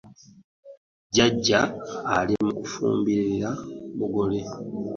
Jjajja ali mu kufumbirira mugole.